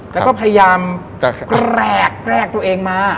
แล้วก็พยายามจะแกรกตัวเองมา